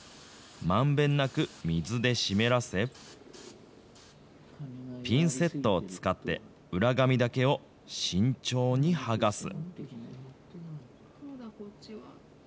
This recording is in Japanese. まんべんなく水で湿らせ、ピンセットを使って、裏紙だけを慎重に剥がす。